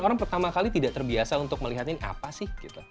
orang pertama kali tidak terbiasa untuk melihat ini apa sih